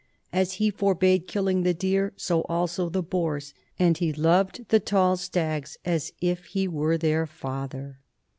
As he forbade killing the deer, so also the boars ; and he loved the tall stags as if he were their father.